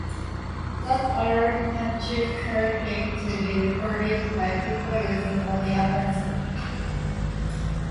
That allowed punched card data to be recorded by people using only a pencil.